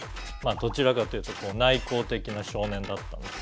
どちらかというと内向的な少年だったんです。